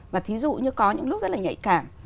và thí dụ như có những lúc rất là nhạy cảm